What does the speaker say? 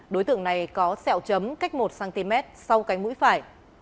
đối tượng này có sẹo chấm cách một cm sau cánh mũi phải